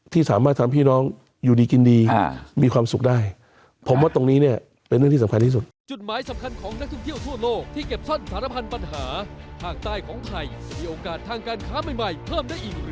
ที่สามารถทำพี่น้องอยู่ดีกินดีมีความสุขได้ผมว่าตรงนี้เนี่ยเป็นเรื่องที่สำคัญที่สุด